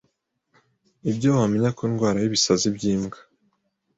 Ibyo wamenya ku ndwara y’ibisazi by’imbwa